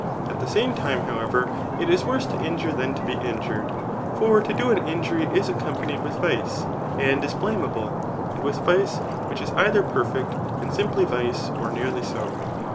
At the same time, however, it is worse to injure [than to be injured.] For to do an injury is ac companied with vice, and is blameable ; and with vice which is either perfect, and simply vice, or nearly so.